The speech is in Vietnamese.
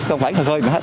không phải khơi mà hết